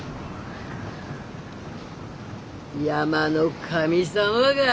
山の神様がぁ！